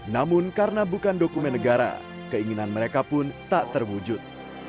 namun karena bukan dokumen negara keinginan mereka pun tak terwujud